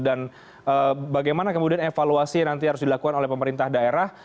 dan bagaimana kemudian evaluasi yang nanti harus dilakukan oleh pemerintah daerah